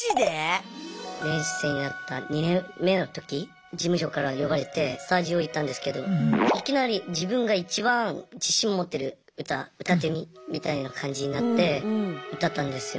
練習生になった２年目の時事務所から呼ばれてスタジオ行ったんですけどいきなり自分がいちばん自信持ってる歌歌ってみみたいな感じになって歌ったんですよ。